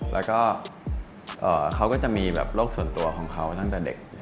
แล้วก็เขาก็จะมีแบบโลกส่วนตัวของเขาตั้งแต่เด็ก